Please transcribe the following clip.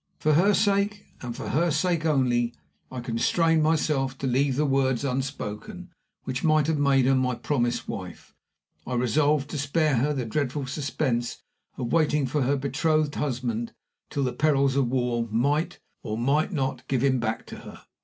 For her sake, and for her sake only, I constrained myself to leave the words unspoken which might have made her my promised wife. I resolved to spare her the dreadful suspense of waiting for her betrothed husband till the perils of war might, or might not, give him back to her.